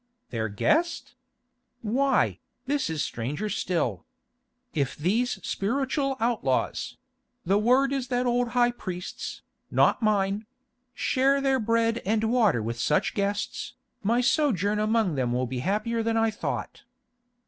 "Their guest? Why, this is stranger still. If these spiritual outlaws—the word is that old high priest's, not mine—share their bread and water with such guests, my sojourn among them will be happier than I thought."